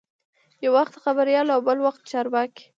یو وخت خبریال او بل وخت چارواکی.